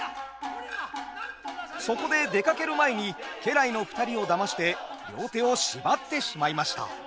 そこで出かける前に家来の２人をだまして両手を縛ってしまいました。